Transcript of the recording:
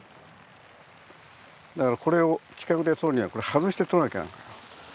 だからこれを近くで撮るには外して撮らなきゃ。